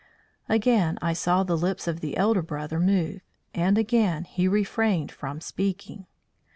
Again I saw the lips of the elder brother move, and again he refrained from speaking.